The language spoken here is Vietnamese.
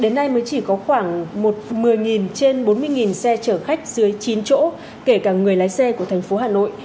đến nay mới chỉ có khoảng một mươi trên bốn mươi xe chở khách dưới chín chỗ kể cả người lái xe của thành phố hà nội